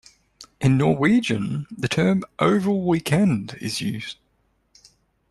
In Norwegian, the term "oval weekend" is used.